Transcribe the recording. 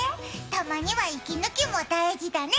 たまには息抜きも大事だね。